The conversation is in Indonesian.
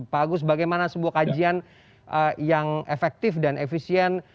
pak agus bagaimana sebuah kajian yang efektif dan efisien